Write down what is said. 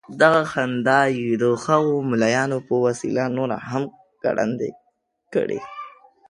دغه خندا یې د هغو ملايانو په وسيله نوره هم ګړندۍ کړې.